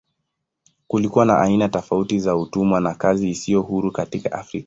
Kulikuwa na aina tofauti za utumwa na kazi isiyo huru katika Afrika.